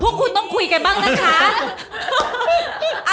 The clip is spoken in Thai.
พวกคุณต้องคุยกันบ้างนะคะ